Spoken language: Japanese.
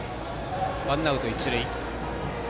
ワンアウト、一塁。